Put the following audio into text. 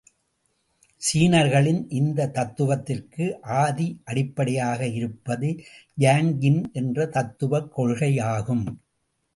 சீனர்களின் இந்த தத்துவத்திற்கு ஆதி அடிப்படையாக இருப்பது யாங் யின் என்ற தத்துவக் கொள்கையாகும்.